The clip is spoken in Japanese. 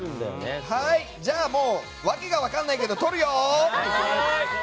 じゃあ訳が分からないけど撮るよ！